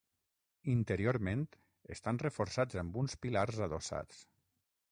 Interiorment estan reforçats amb uns pilars adossats.